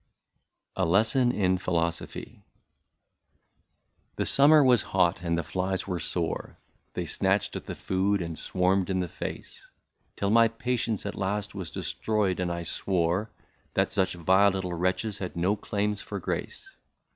192 A LESSON IN PHILOSOPHY. The summer was hot, and the flies were sore ; They snatched at the food, and swarmed in the face, Till my patience at last was destroyed, and I swore That such vile little wretches had no claims for grace.